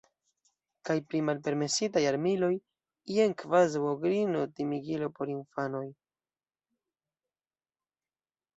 Kaj pri malpermesitaj armiloj – jen kvazaŭ ogrino, timigilo por infanoj.